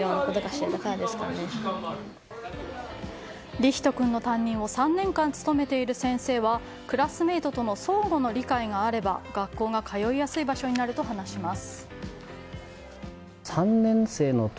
りひと君の担任を３年間務めている先生はクラスメートとの相互の理解があれば学校が通いやすい場所になると話します。